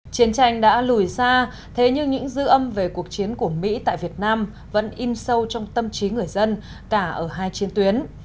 chiến tranh đã lùi xa thế nhưng những dư âm về cuộc chiến của mỹ tại việt nam vẫn im sâu trong tâm trí người dân cả ở hai chiến tuyến